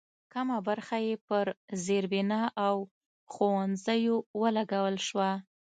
کمه برخه یې پر زېربنا او ښوونځیو ولګول شوه.